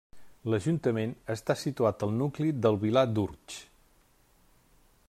L'ajuntament està situat al nucli del Vilar d'Urtx.